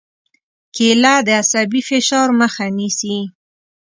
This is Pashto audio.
کېله د عصبي فشار مخه نیسي.